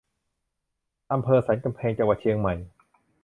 อำเภอสันกำแพง จังหวัดเชียงใหม่